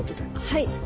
はい。